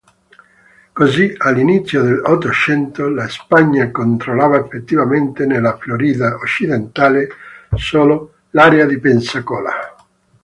Così all'inizio dell'Ottocento, la Spagna controllava effettivamente nella Florida occidentale solo l'area di Pensacola.